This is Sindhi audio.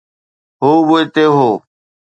هو به اتي هو